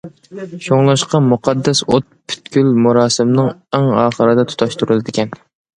شۇڭلاشقا، مۇقەددەس ئوت پۈتكۈل مۇراسىمنىڭ ئەڭ ئاخىرىدا تۇتاشتۇرۇلىدىكەن.